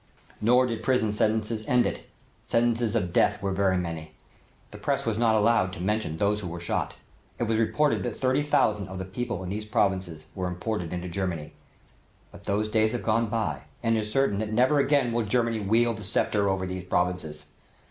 Neither did prison sentences end it; sentences of death were very many. The press was not allowed to mention those who were shot. It was reported that thirty thousand of the people in these provinces were imported into Germany. But those days have gone by and it is certain that never again will Germany wield the sceptre over these provinces.